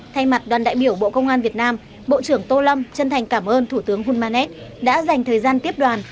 thay mặt đoàn đại biểu bộ công an việt nam bộ trưởng tô lâm chân thành cảm ơn thủ tướng hulmanet đã dành thời gian tiếp đoàn